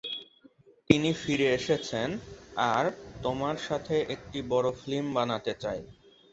তিনি ফিরে এসেছেন, আর তোমার সাথে একটি বড় ফিল্ম বানাতে চান।